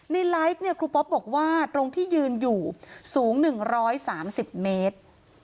ในไลฟ์เนี่ยครูปอปบอกว่าตรงที่ยืนอยู่สูง๑๓๐เมตร